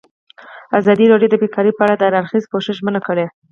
ازادي راډیو د بیکاري په اړه د هر اړخیز پوښښ ژمنه کړې.